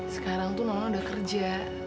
sekarang tuh nono udah kerja